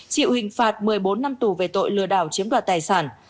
chịu hình phạt một mươi bốn năm tù về tội lừa đảo chiếm đoạt tài sản